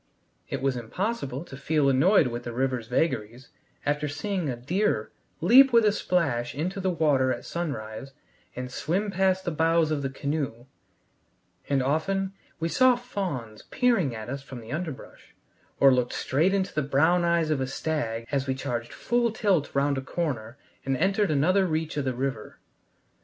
It was impossible to feel annoyed with the river's vagaries after seeing a deer leap with a splash into the water at sunrise and swim past the bows of the canoe; and often we saw fawns peering at us from the underbrush, or looked straight into the brown eyes of a stag as we charged full tilt round a corner and entered another reach of the river.